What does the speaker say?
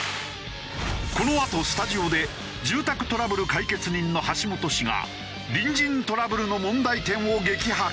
このあとスタジオで住宅トラブル解決人の橋本氏が隣人トラブルの問題点を激白。